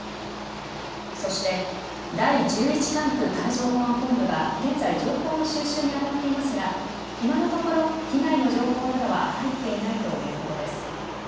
そして第１１管区海上保安本部は現在情報の収集にあたっていますが今のところ被害の情報などは入っていないということです。